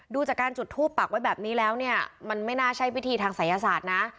ดูจากการจุดทูปปักไว้แบบนี้แล้วเนี่ยมันไม่น่าใช่วิธีทางศัยศาสตร์นะ